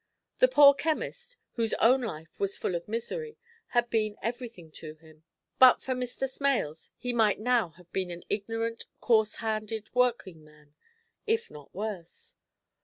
The poor chemist, whose own life was full of misery, had been everything to him; but for Mr. Smales, he might now have been an ignorant, coarse handed working man, if not worse.